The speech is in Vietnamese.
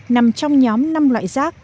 nằm trong nhóm năm loại rác